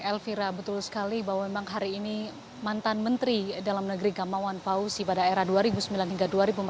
elvira betul sekali bahwa memang hari ini mantan menteri dalam negeri gamawan fauzi pada era dua ribu sembilan hingga dua ribu empat belas